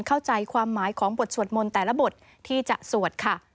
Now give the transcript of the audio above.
เข้าใจความหมายของบทสวดมนต์แต่ละบทที่จะสวดค่ะ